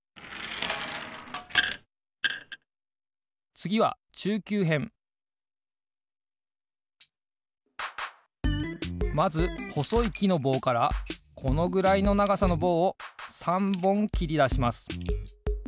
つぎはまずほそいきのぼうからこのぐらいのながさのぼうを３ぼんきりだします。